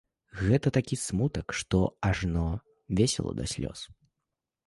Гэта такі смутак, што ажно весела да слёз!